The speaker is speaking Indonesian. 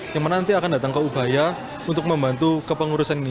yang nanti akan datang ke ubaya untuk membantu kepengurusan ini